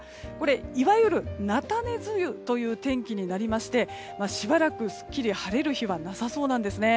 いわゆる、なたね梅雨という天気になりましてしばらく、すっきり晴れる日はなさそうです。